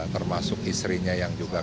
termasuk istrinya yang juga